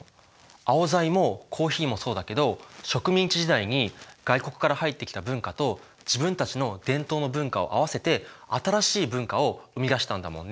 アオザイもコーヒーもそうだけど植民地時代に外国から入ってきた文化と自分たちの伝統の文化を合わせて新しい文化を生み出したんだもんね。